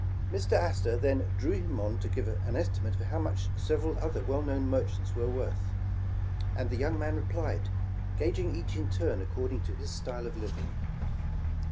Mr Astor then drew him on to give an estimate of how much several other well known merchants were worth, and the young man replied, gauging each in turn ac cording to his style of living.